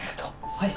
はい。